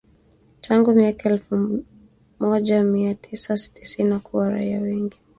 tangu miaka ya elfu moja mia tisa tisini na kuua raia wengi